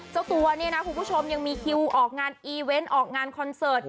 เจ้าตัวเนี่ยนะคุณผู้ชมยังมีคิวออกงานอีเวนต์ออกงานคอนเสิร์ต